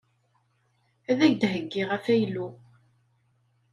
Ad ak-d-heyyiɣ afaylu.